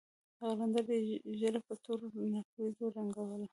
قلندر ږيره په تورو نېکريزو رنګوله.